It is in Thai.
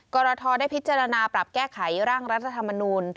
กรทได้พิจารณาปรับแก้ไขร่างรัฐธรรมนูล